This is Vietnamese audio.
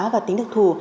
và tính đặc thù